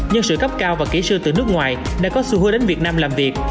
nhân sự cấp cao và kỹ sư từ nước ngoài đã có xu hướng đến việt nam làm việc